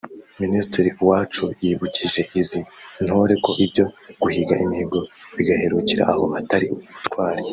Minisitiri Uwacu yibukije izi ntore ko ibyo guhiga imihigo bigaherukira aho atari ubutwari